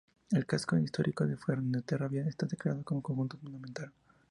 El casco histórico de Fuenterrabía está declarado como Conjunto Monumental.